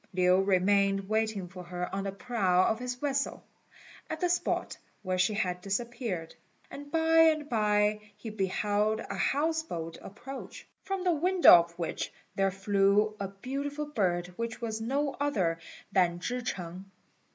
Lin remained waiting for her on the prow of his vessel, at the spot where she had disappeared; and by and by, he beheld a house boat approach, from the window of which there flew a beautiful bird which was no other than Chih ch'eng.